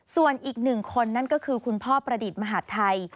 ส่วนอีกหนึ่งคนนั่นก็คือคุณพ่อประดิษฐ์มหาดไทย